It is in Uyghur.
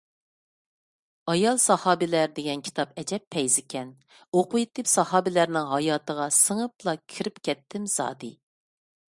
«ئايال ساھابىلەر» دېگەن كىتاب ئەجەب پەيزىكەن، ئوقۇۋېتىپ ساھابىلەرنىڭ ھاياتىغا سىڭىپلا كىرىپ كەتتىم زادى.